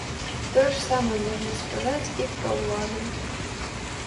Тое ж самае можна сказаць і пра ўладу.